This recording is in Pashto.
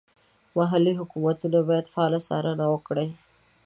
محلي حکومتونه باید فعاله څارنه وکړي.